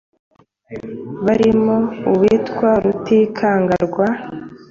barimo uwitwa Rutikanga rwa